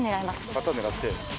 旗狙って。